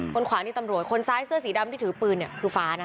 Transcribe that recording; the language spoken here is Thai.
ขวานี่ตำรวจคนซ้ายเสื้อสีดำที่ถือปืนเนี่ยคือฟ้านะ